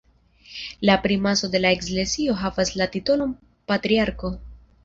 La primaso de la eklezio havas la titolon patriarko.